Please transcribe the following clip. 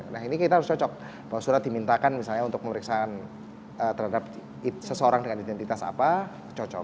nah ini kita harus cocok bahwa surat dimintakan misalnya untuk pemeriksaan terhadap seseorang dengan identitas apa cocok